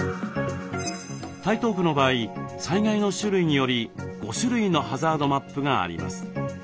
台東区の場合災害の種類により５種類のハザードマップがあります。